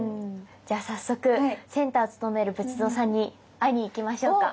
じゃあ早速センターをつとめる仏像さんに会いに行きましょうか。